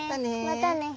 またね。